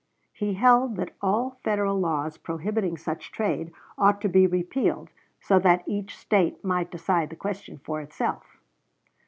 He held that all Federal laws prohibiting such trade ought to be repealed so that each State might decide the question for itself.